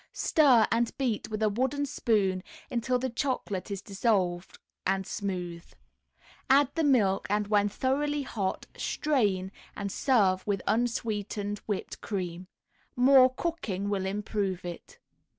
Stir and beat with a wooden spoon until the chocolate is dissolved and smooth. Add the milk and when thoroughly hot, strain, and serve with unsweetened whipped cream. More cooking will improve it.